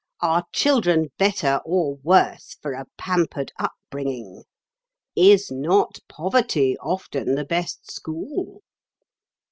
Are children better or worse for a pampered upbringing? Is not poverty often the best school?"